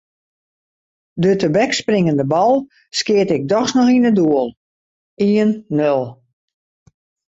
De tebekspringende bal skeat ik dochs noch yn it doel: ien-nul.